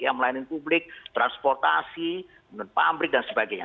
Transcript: yang melayani publik transportasi pabrik dan sebagainya